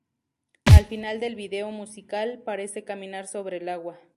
Al final del vídeo musical, parece caminar sobre el agua.